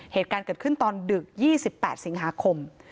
เหตุการณ์เกิดขึ้นตอนดึก๒๘สิงหาคม